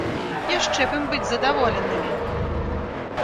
Яшчэ б ім быць задаволенымі!